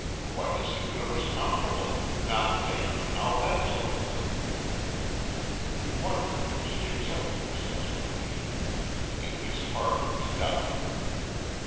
Why to see that it was comfortable not damp and all that sort of thing." He wondered if she accepted this explanation. In his heart he doubted it.